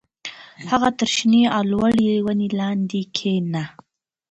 هغه تر شنې او لوړې ونې لاندې کېنه